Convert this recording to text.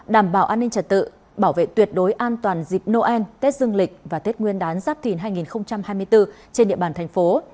đảm bảo an ninh trật tự bảo vệ tuyệt đối an toàn dịp noel tết dương lịch và tết nguyên đán giáp thìn hai nghìn hai mươi bốn trên địa bàn thành phố